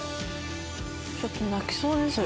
ちょっと泣きそうです。